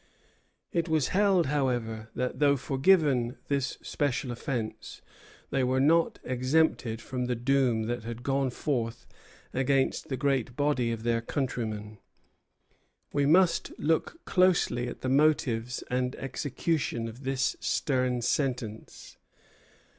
It was held, however, that, though forgiven this special offence, they were not exempted from the doom that had gone forth against the great body of their countrymen. We must look closely at the motives and execution of this stern sentence.